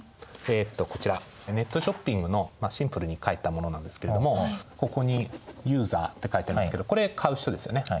こちらネットショッピングのシンプルに描いたものなんですけれどもここにユーザーって書いてありますけどこれ買う人ですよね。